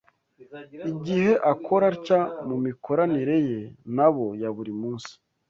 Igihe akora atya mu mikoranire ye nabo ya buri munsi